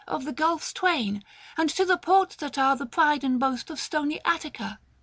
121 Of the gulfs twain ; and to the ports that are The pride and boast of stony Attica.